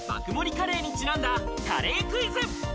カレーにちなんだカレークイズ。